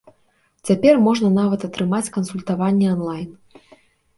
Цяпер можна нават атрымаць кансультаванне онлайн.